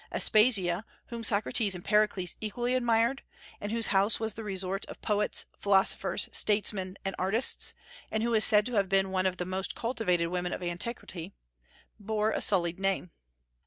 Aspasia, whom Socrates and Pericles equally admired, and whose house was the resort of poets, philosophers, statesmen, and artists, and who is said to have been one of the most cultivated women of antiquity, bore a sullied name.